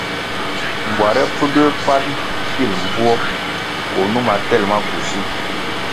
Mbware pfunduē pan pil mbvuo koh numa tel maku si.